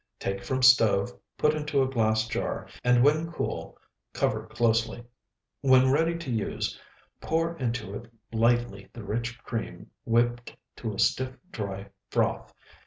Take from stove, put into a glass jar, and when cool cover closely. When ready to use pour into it lightly the rich cream whipped to a stiff, dry froth.